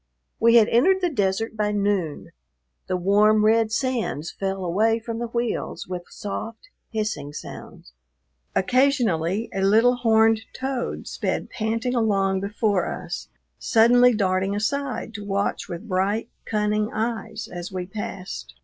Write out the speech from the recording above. We had entered the desert by noon; the warm, red sands fell away from the wheels with soft, hissing sounds. Occasionally a little horned toad sped panting along before us, suddenly darting aside to watch with bright, cunning eyes as we passed.